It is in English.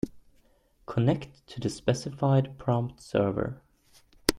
Connect to the specified prompt server.